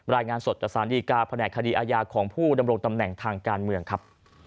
รายงานสดจากสารดีการแผนกคดีอาญาของผู้ดำรงตำแหน่งทางการเมืองครับ